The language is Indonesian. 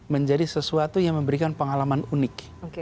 menjadi sesuatu yang memberikan pengalaman unik